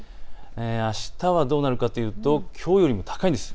あしたはどうなるかというと、きょうよりも高いんです。